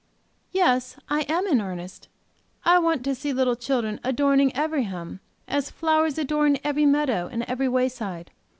"Yes, I am in earnest. I want to see little children adorning every home, as flowers adorn every meadow and every wayside.